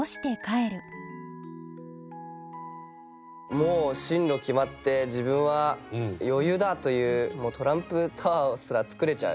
もう進路決まって自分は余裕だ！というトランプタワーすら作れちゃう。